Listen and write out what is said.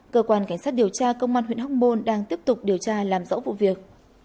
cơ quan cảnh sát điều tra công an huyện hóc môn đang tiếp tục điều tra làm rõ vụ việc